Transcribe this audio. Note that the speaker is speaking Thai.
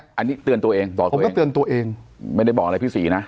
อันนี้เตือนตัวเองบอกผมก็เตือนตัวเองไม่ได้บอกอะไรพี่ศรีนะ